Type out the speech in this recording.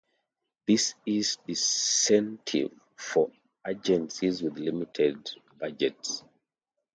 This is a disincentive for agencies with limited budgets.